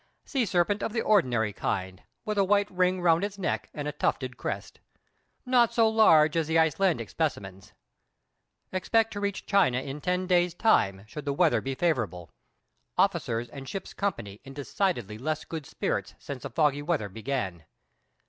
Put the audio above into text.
Sea serpent of the ordinary kind, with a white ring round its neck and a tufted crest. Not so large as the Icelandic specimens. Expect to reach China in ten days' time, should the weather be favourable. Officers and ship's company in decidedly less good spirits since the foggy weather began.